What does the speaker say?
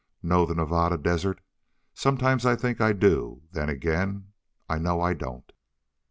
Know the Nevada Desert? Sometimes I think I do; then again, I know I don't."